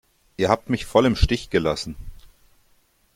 Ihr habt mich voll im Stich gelassen!